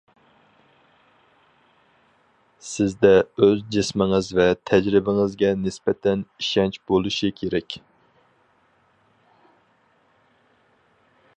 سىزدە ئۆز جىسمىڭىز ۋە تەجرىبىڭىزگە نىسبەتەن ئىشەنچ بولۇشى كېرەك.